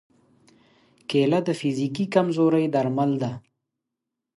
کېله د فزیکي کمزورۍ درمل ده.